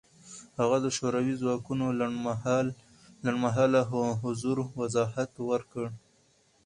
هغه د شوروي ځواکونو لنډمهاله حضور وضاحت ورکړ.